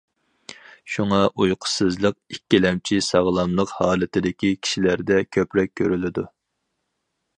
شۇڭا ئۇيقۇسىزلىق ئىككىلەمچى ساغلاملىق ھالىتىدىكى كىشىلەردە كۆپرەك كۆرۈلىدۇ.